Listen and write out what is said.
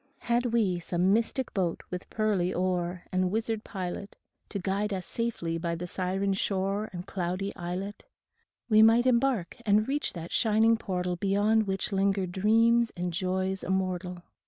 Had we some mystic boat with pearly oar And wizard pilot, To guide us safely by the siren shore And cloudy islet, We might embark and reach that shining portal Beyond which linger dreams and joys immortal.